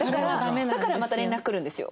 だからまた連絡来るんですよ。